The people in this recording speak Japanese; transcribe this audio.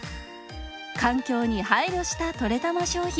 環境に配慮した「トレたま」商品。